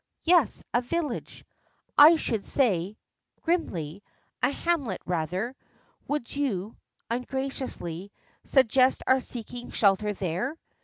"Yes a village, I should say," grimly. "A hamlet rather. Would you," ungraciously, "suggest our seeking shelter there?"